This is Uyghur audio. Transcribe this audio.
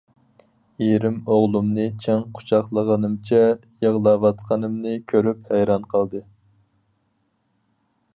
ئېرىم ئوغلۇمنى چىڭ قۇچاقلىغىنىمچە يىغلاۋاتقىنىمنى كۆرۈپ ھەيران قالدى.